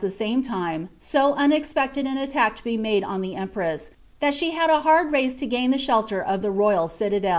th« same time, so unexpecied an attack to be made on the emptn«,lte she had a hani race to gain the shelter of the royal citadd.